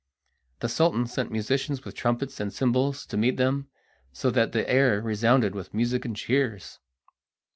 The Sultan sent musicians with trumpets and cymbals to meet them, so that the air resounded with music and cheers.